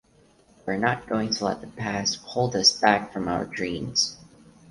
We’re not going to let the past hold us back from our dreams.